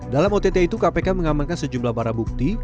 dalam ott itu kpk mengamankan sejumlah barang bukti